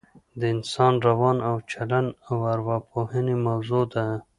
د انسان روان او چلن د اوراپوهنې موضوع ده